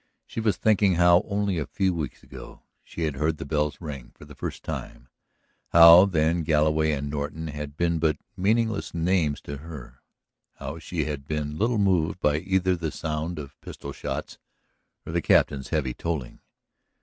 She was thinking how, only a few weeks ago, she had heard the bells ring for the first time, how then Galloway and Norton had been but meaningless names to her, how she had been little moved by either the sound of pistol shots or the Captain's heavy tolling.